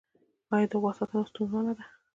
آیا د غوا ساتنه ستونزمنه ده؟